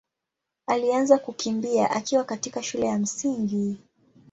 alianza kukimbia akiwa katika shule ya Msingi.